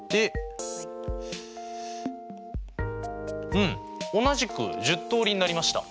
うん同じく１０通りになりました。